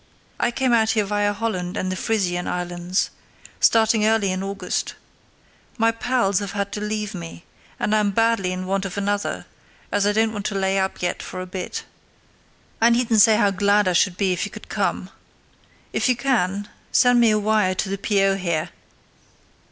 I came out here via Holland and the Frisian Islands, starting early in August. My pals have had to leave me, and I'm badly in want of another, as I don't want to lay up yet for a bit. I needn't say how glad I should be if you could come. If you can, send me a wire to the P.O. here.